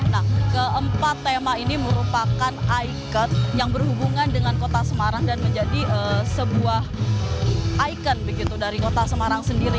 nah keempat tema ini merupakan ikon yang berhubungan dengan kota semarang dan menjadi sebuah ikon begitu dari kota semarang sendiri